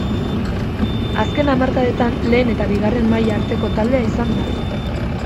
Azken hamarkadetan lehen eta bigarren maila arteko taldea izan da.